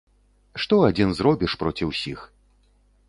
Што адзін зробіш проці ўсіх?